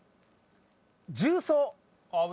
重曹。